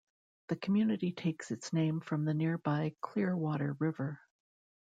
The community takes its name from the nearby Clearwater River.